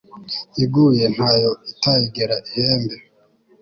iguye ntayo itayigera ihembe